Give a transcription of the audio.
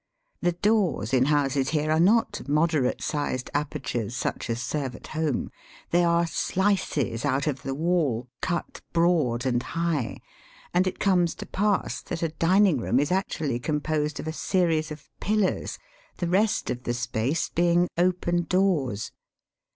The doors in houses here are not moderate sized apertures such as serve at home. They are slices out of the wall, cut broad and high, and it comes to pass that a dining room is actually composed of a series, of pillars, the rest of the space being open doors.